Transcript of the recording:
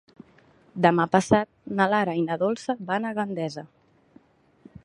Demà passat na Lara i na Dolça van a Gandesa.